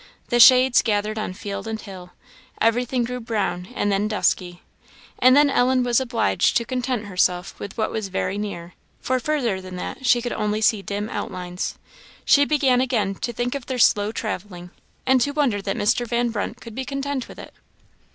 The shades gathered on field and hill; everything grew brown, and then dusky; and then Ellen was obliged to content herself with what was very near, for further than that she could only see dim outlines. She began again to think of their slow travelling, and to wonder that Mr. Van Brunt could be content with it.